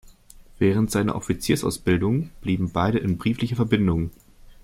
Während seiner Offiziersausbildung blieben beide in brieflicher Verbindung.